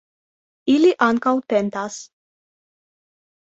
Ili ankaŭ tentas.